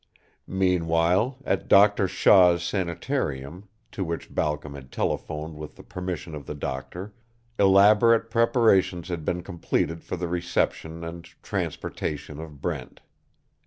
Meanwhile, at Doctor Shaw's sanitarium, to which Balcom had telephoned with the permission of the doctor, elaborate preparations had been completed for the reception and transportation of Brent.